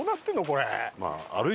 これ。